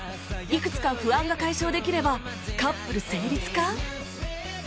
いくつか不安が解消できればカップル成立か？